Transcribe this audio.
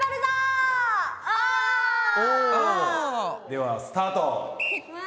ではスタート！